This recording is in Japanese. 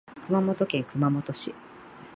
熊本県熊本市